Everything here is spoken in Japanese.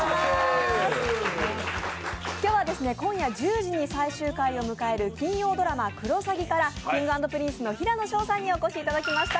今日は今夜１０時に最終回を迎える金曜ドラマ「クロサギ」からＫｉｎｇ＆Ｐｒｉｎｃｅの平野紫耀さんにお越しいただきました。